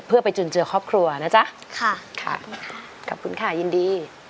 เพื่อไปจุนเจือครอบครัวนะจ๊ะค่ะค่ะขอบคุณค่ะยินดี